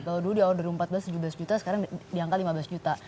kalau dulu di awal dua ribu empat belas tujuh belas juta sekarang di angka lima belas juta